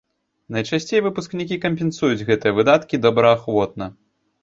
Найчасцей выпускнікі кампенсуюць гэтыя выдаткі добраахвотна.